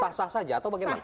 sah sah saja atau bagaimana